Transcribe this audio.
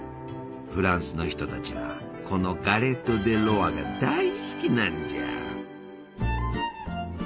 フランスの人たちはこのガレット・デ・ロワが大好きなんじゃ！